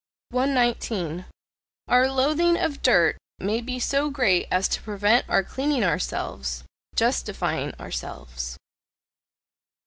119. Our loathing of dirt may be so great as to prevent our cleaning ourselves "justifying" ourselves.